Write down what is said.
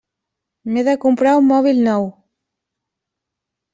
M'he de comprar un mòbil nou.